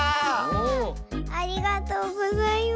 わあありがとうございます。